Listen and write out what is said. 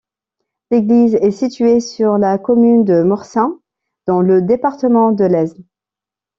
L'église est située sur la commune de Morsain, dans le département de l'Aisne.